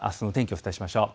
お伝えしましょう。